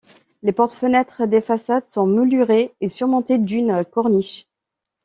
Les portes-fenêtres des façades sont moulurées et surmontées d'une corniche.